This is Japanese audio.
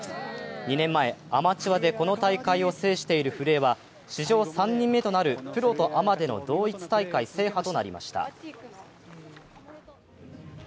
２年前、アマチュアでこの大会を制している古江は史上３人目となるプロとアマでの同一大会制覇となりました。